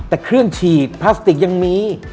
แต่เครื่องฉีดพลาสติกยังมี